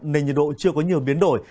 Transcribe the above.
nền nhiệt độ chưa có nhiều biến đổi